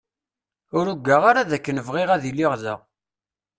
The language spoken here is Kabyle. Ur ugaɣ ara dakken bɣiɣ ad iliɣ da.